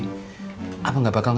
kalau abang ngerasain ya abang